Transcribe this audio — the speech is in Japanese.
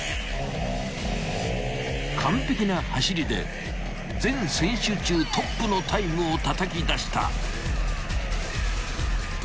［完璧な走りで全選手中トップのタイムをたたき出した］